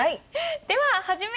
では始め！